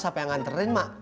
siapa yang nganterin mak